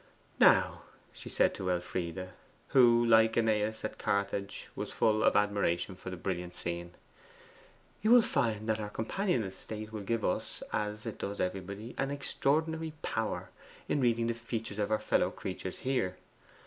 'Now,' she said to Elfride, who, like AEneas at Carthage, was full of admiration for the brilliant scene, 'you will find that our companionless state will give us, as it does everybody, an extraordinary power in reading the features of our fellow creatures here.